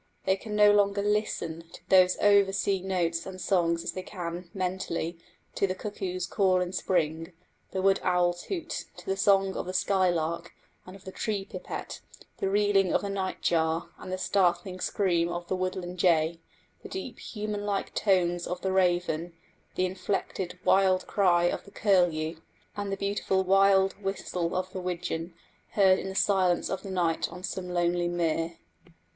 They can no longer listen to those over sea notes and songs as they can, mentally, to the cuckoo's call in spring, the wood owl's hoot, to the song of the skylark and of the tree pipit, the reeling of the night jar and the startling scream of the woodland jay, the deep human like tones of the raven, the inflected wild cry of the curlew, and the beautiful wild whistle of the widgeon, heard in the silence of the night on some lonely mere.